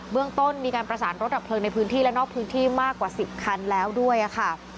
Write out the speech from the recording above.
เรื่องต้นมีการประสานรถดับเพลิงในพื้นที่และนอกพื้นที่มากกว่า๑๐คันแล้วด้วยค่ะ